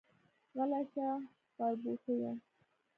غلی شه خربوټيه.